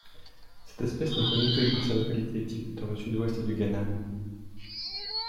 Cette espèce n'est connue que par sa localité type dans le sud-ouest du Ghana.